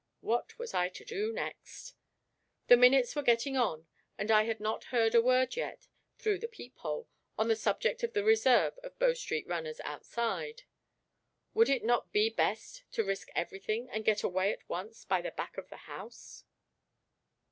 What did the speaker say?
What was I to do next? The minutes were getting on, and I had not heard a word yet, through the peephole, on the subject of the reserve of Bow Street runners outside. Would it not be best to risk everything, and get away at once by the back of the house?